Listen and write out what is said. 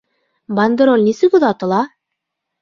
Бандероль нисек оҙатыла?